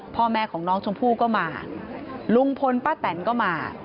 พ่อแม่ของน้องชมพู่ก็มาลุงพลป้าแตนก็มา